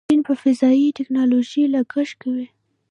چین په فضایي ټیکنالوژۍ لګښت کوي.